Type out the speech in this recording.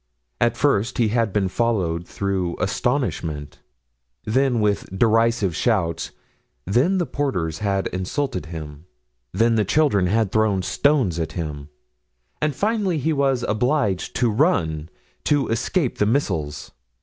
At first he had been followed through astonishment, then with derisive shouts, then the porters had insulted him, then children had thrown stones at him, and finally he was obliged to run, to escape the missiles.